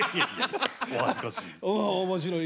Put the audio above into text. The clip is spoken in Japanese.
お恥ずかしい。